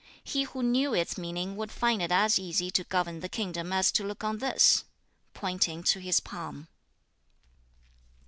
He who knew its meaning would find it as easy to govern the kingdom as to look on this; pointing to his palm.